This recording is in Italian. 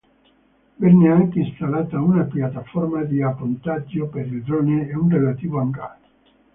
Venne anche installata una piattaforma di appontaggio per il drone e un relativo hangar.